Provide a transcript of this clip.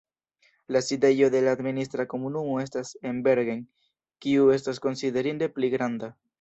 La sidejo de la administra komunumo estas en Bergen, kiu estas konsiderinde pli granda.